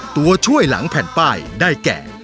ตัวช่วยหลังแผ่นป้ายได้แก่